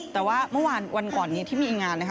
แต่ว่าเมื่อวานวันก่อนนี้ที่มีงานนะคะ